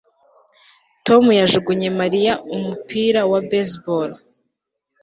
Tom yajugunye Mariya umupira wa baseball